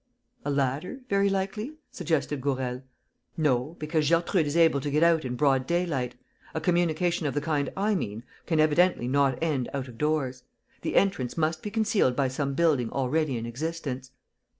"A ladder, very likely?" suggested Gourel. "No, because Gertrude is able to get out in broad daylight. A communication of the kind I mean can evidently not end out of doors. The entrance must be concealed by some building already in existence."